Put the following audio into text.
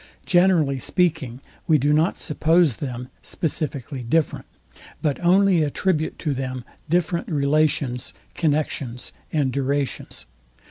Generally speaking we do not suppose them specifically different; but only attribute to them different relations, connections and durations.